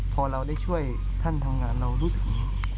พอเราได้ช่วยท่านทำงานเรารู้สึก